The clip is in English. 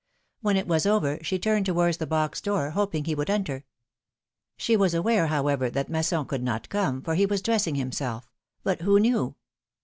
When it was over she turned towards the box door, hoping he would enter. She was aware, however, that Masson could not come, for he was dressing himself — but who knew